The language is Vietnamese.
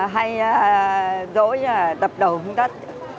hay dỗi đập đầu không đất